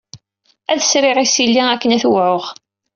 Ad sriɣ isili akken ad t-wɛuɣ.